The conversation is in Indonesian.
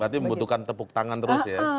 berarti membutuhkan tepuk tangan terus ya